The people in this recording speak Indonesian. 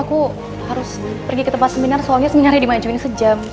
aku harus pergi ke tempat seminar soalnya seminarnya dimajuin sejam